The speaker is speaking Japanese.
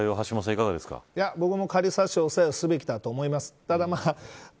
いかが僕も仮差し押さえをするべきだと思います。